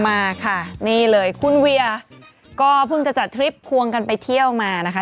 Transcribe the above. มาค่ะนี่เลยคุณเวียก็เพิ่งจะจัดทริปควงกันไปเที่ยวมานะคะ